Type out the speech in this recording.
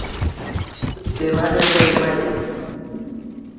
Sevadi-sevmaydi